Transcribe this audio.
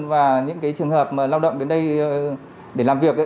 và những trường hợp lao động đến đây để làm việc